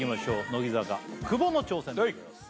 乃木坂久保の挑戦でございます